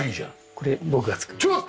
これ僕が作っ。